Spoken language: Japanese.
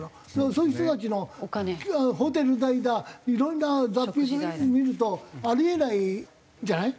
そういう人たちのホテル代だいろんな雑費見るとあり得ないじゃない？